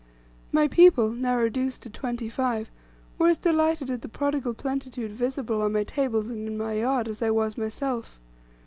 My people, now reduced to twenty five, were as delighted at the prodigal plenitude visible on my tables and in my yard, as I was myself.